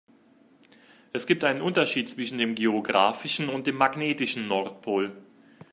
Es gibt einen Unterschied zwischen dem geografischen und dem magnetischen Nordpol.